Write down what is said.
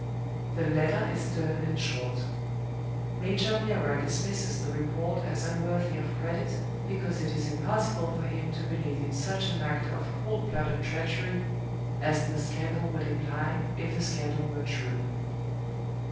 "The letter is stern and short. Major Milroy dismisses the report as unworthy of credit, because it is impossible for him to believe in such an act of 'cold blooded treachery,' as the scandal would imply, if the scandal were true.